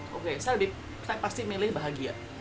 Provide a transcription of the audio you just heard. saya lebih pasti memilih bahagia bahagia dan bahagia